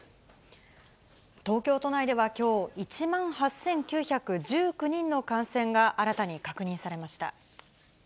東京都内ではきょう、１万８９１９人の感染が新たに確認されました。